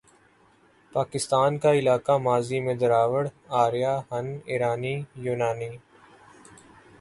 پاکستان کا علاقہ ماضی میں دراوڑ، آریا، ہن، ایرانی، یونانی،